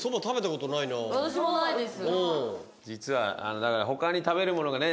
実は。